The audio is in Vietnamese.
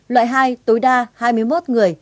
loại hai tối đa hai mươi một người